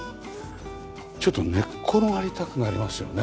ちょっと寝っ転がりたくなりますよね。